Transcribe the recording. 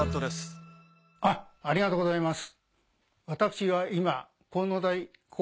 ありがとうございます。